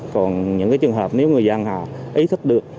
còn những cái trường hợp nếu người dân họ ý thức được